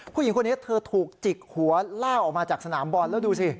ผู้หญิงคนนี้เธอถูกจิกหัวลากออกมาจากสนามบอลแล้วดูสิ